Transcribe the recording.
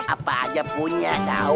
apa aja punya tau